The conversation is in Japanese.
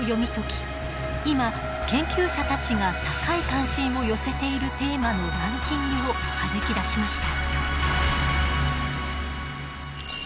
今研究者たちが高い関心を寄せているテーマのランキングをはじき出しました。